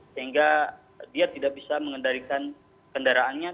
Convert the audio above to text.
sehingga dia tidak bisa mengendalikan kendaraannya